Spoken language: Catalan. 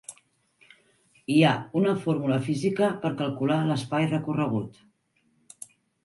Hi ha una fórmula física per calcular l'espai recorregut.